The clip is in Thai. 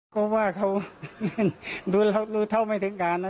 ก็ว่าเขาดูเราดูเท่าไม่ถึงการนะ